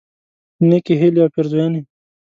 نیکی هیلی او پیرزوینی